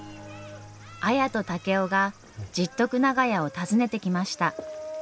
綾と竹雄が十徳長屋を訪ねてきました。